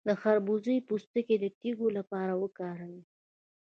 د خربوزې پوستکی د تیږې لپاره وکاروئ